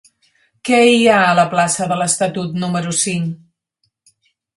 Què hi ha a la plaça de l'Estatut número cinc?